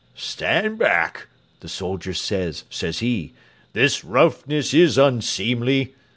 "Stand back!" the soldier says, says he; "This roughness is unseemly!"